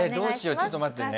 ちょっと待ってね。